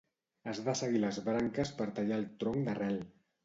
Has de seguir les branques per tallar el tronc d'arrel.